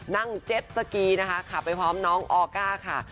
นั่งเจ็ดสกีนะคะขับไปพร้อมน้องออก้าค่ะ